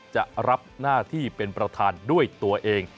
จะรับหน้าที่เป็นประธานด้วยตัวเอง